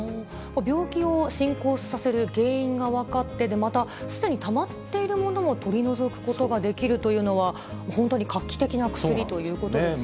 病気を進行させる原因が分かって、また、すでにたまっているものも取り除くことができるというのは、本当に画期的な薬ということですよね。